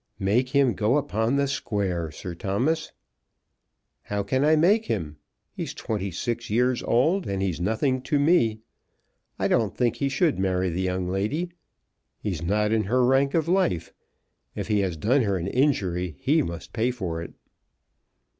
"Make him go upon the square, Sir Thomas." "How can I make him? He's twenty six years old, and he's nothing to me. I don't think he should marry the young lady. He's not in her rank of life. If he has done her an injury, he must pay for it."